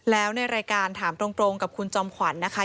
แล้วในรายการถามตรงกับคุณจอมขวัญนะคะ